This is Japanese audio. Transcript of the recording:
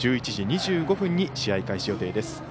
１１時２５分に試合開始予定です。